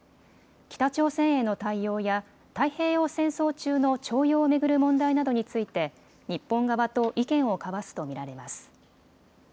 北朝鮮への対応や太平洋戦争中の徴用を巡る問題などについて日本側と意見を交わすと見られます。